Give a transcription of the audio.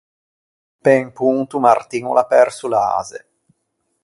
Pe un ponto Martin o l’à perso l’ase.